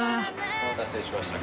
「お待たせしました」